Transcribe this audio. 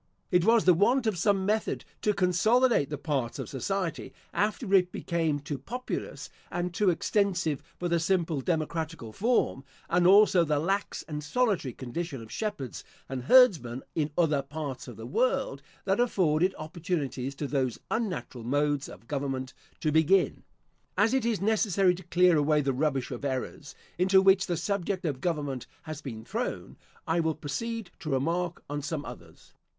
It was the want of some method to consolidate the parts of society, after it became too populous, and too extensive for the simple democratical form, and also the lax and solitary condition of shepherds and herdsmen in other parts of the world, that afforded opportunities to those unnatural modes of government to begin. As it is necessary to clear away the rubbish of errors, into which the subject of government has been thrown, I will proceed to remark on some others.